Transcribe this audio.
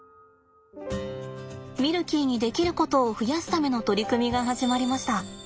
ミルキーにできることを増やすための取り組みが始まりました。